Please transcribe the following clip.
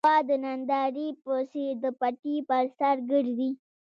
غوا د نندارې په څېر د پټي پر سر ګرځي.